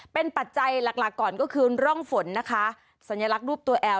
เป็นปัจจัยหลักหลักก่อนก็คือร่องฝนนะคะสัญลักษณ์รูปตัวแอล